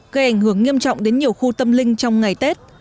gây ảnh hưởng nghiêm trọng đến nhiều khu tâm linh trong ngày tết